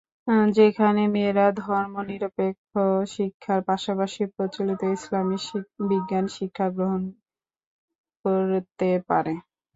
যেখানে মেয়েরা ধর্মনিরপেক্ষ শিক্ষার পাশাপাশি প্রচলিত ইসলামি বিজ্ঞান শিক্ষা গ্রহণ করতে পারে।